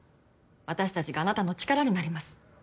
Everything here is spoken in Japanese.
私たちがあなたの力になります。